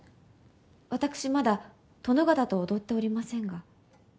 私まだ殿方と踊っておりませんが。